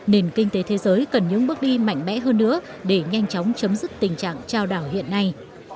nền kinh tế thế giới cần những bước đi mạnh mẽ hơn nữa để nhanh chóng chấm dứt tình trạng trao đảo hiện nay